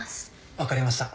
分かりました。